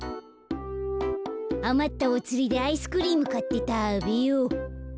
あまったおつりでアイスクリームかってたべよう。